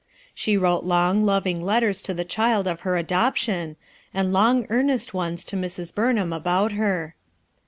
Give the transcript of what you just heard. She wrote long loving letters to the child of her adoption, and long earnest ones to Mrs. Burn ham about her.